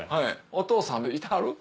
お父さんいてはる？